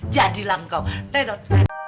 jadilah engkau lewat